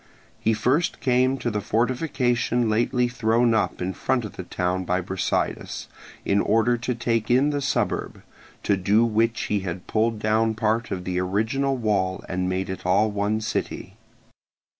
He first came to the fortification lately thrown up in front of the town by Brasidas in order to take in the suburb, to do which he had pulled down part of the original wall and made it all one city.